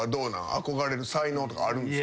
憧れる才能とかあるんですか？